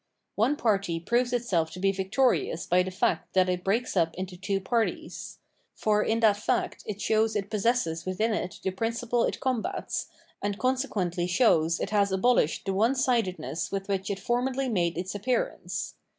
One party proves itself to be victorious by the fact that it breaks up into two parties ; for in that fact it shows it possesses within it the principle it combats, and consequently shows it has abohshed 684 Fkenomenologij of Mind the one sidedness with which it formerly made its appearance.